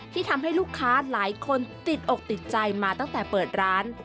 ที่ทำให้ลูกค้าหลายคนติดอกติดใจมาตั้งแต่เปิดร้าน